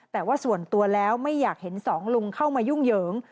แต่ว่าส่วนตัวแล้วไม่อยากเห็นสองลุงเข้ามายุ่งเหยิง